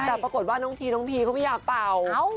แต่ปรากฏว่าน้องทีน้องพีเขาไม่อยากเป่า